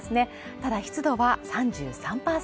ただ湿度は３３％